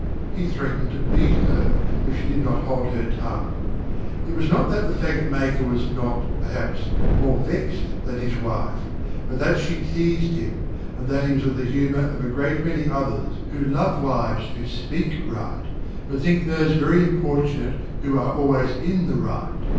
He threatened to beat her, if she did not hold her tongue. It was not that the faggot maker was not, perhaps, more vexed than his wife, but that she teized him, and that he was of the humour of a great many others, who love wives who speak right, but think those very importunate who are always in the right.